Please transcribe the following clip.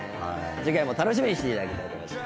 次回も楽しみにしていただきたいと思います。